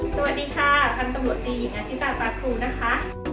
สวัสดีค่ะพันตำรวจตีหญิงอาชิตาครูนะคะ